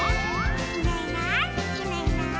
「いないいないいないいない」